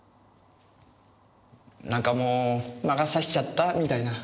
なんかもう魔が差しちゃったみたいな。